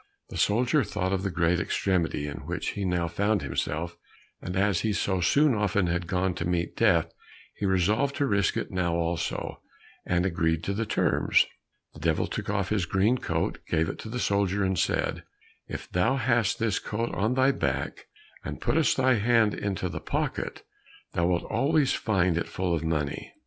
The soldier thought of the great extremity in which he now found himself, and as he so often had gone to meet death, he resolved to risk it now also, and agreed to the terms. The Devil took off his green coat, gave it to the soldier, and said, "If thou hast this coat on thy back and puttest thy hand into the pocket, thou wilt always find it full of money."